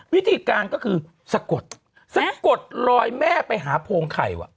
วิธีการก็คือสะกดสะกดลอยแม่ไปหาโพงไข่ว่ะ